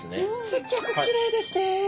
すっギョくきれいですね。